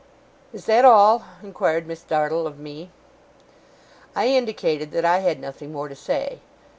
'Is that all?' inquired Miss Dartle of me. I indicated that I had nothing more to say.